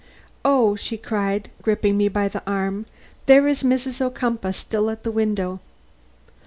"Oh!" she cried, gripping me by the arm, "there is Mrs. Ocumpaugh still at the window.